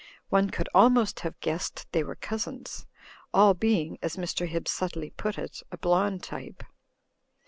One could almost have guessed they were cousins, all being (as Mr. Hibbs subtly put it) a blond type.